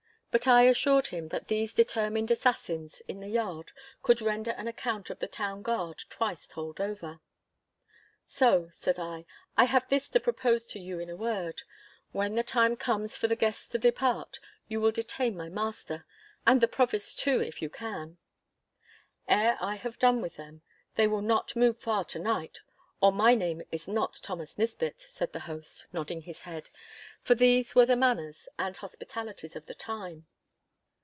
But I assured him that these determined assassins in the yard could render an account of the town guard twice told over. 'So,' said I, 'I have this to propose to you in a word. When the time comes for the guests to depart, you will detain my master—and the Provost, too, if you can.' 'Ere I have done with them they will not move far to night, or my name is not Thomas Nisbett,' said the host, nodding his head, for these were the manners and hospitalities of the time.